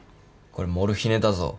これモルヒネだぞ。